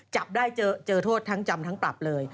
จับได้เจอโทษทั้งจำทั้งปรับเลย